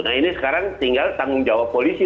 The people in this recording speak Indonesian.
nah ini sekarang tinggal tanggung jawab polisi